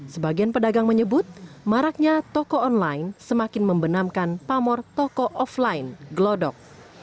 sebagian pedagang menyebut maraknya toko online semakin membenamkan pamor toko offline gelodok